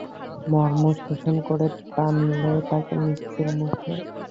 মর্ম শোষণ করে টানলে তাঁকে মৃত্যুর মুখে।